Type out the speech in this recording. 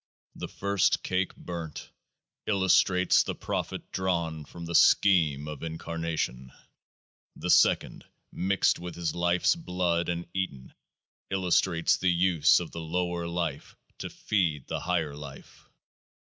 The first cake, burnt, illustrates the profit drawn from the scheme of incarnation. The second, mixt with his life's blood and eaten, illustrates the use of the lower life to feed the higher life.